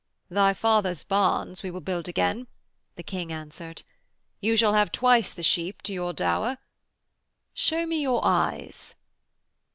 'Thy father's barns we will build again,' the King answered. 'You shall have twice the sheep to your dower. Show me your eyes.'